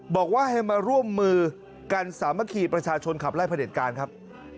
บอกว่าให้มาร่วมมือกันสามัคคีประชาชนขับไล่พระเด็จการครับ